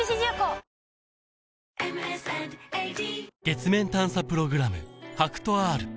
月面探査プログラム